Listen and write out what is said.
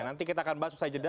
nanti kita akan bahas usai jeda